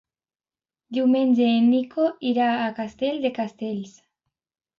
Diumenge en Nico irà a Castell de Castells.